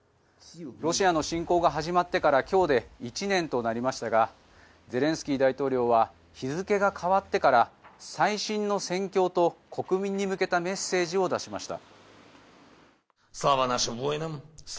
ロシアの侵攻が始まってから今日で１年となりましたがゼレンスキー大統領は日付が変わってから最新の戦況と国民に向けたメッセージを出しました。